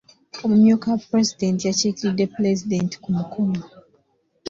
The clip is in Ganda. Omumyuka wa pulezidenti yakiikiridde pulezidenti ku mukolo.